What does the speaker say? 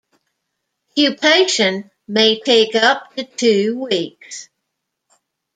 Pupation may take up to two weeks.